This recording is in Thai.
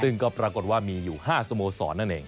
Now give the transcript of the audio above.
ซึ่งก็ปรากฏว่ามีอยู่๕สโมสรนั่นเอง